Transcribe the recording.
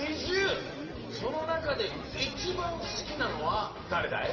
そのなかでいちばんすきなのはだれだい？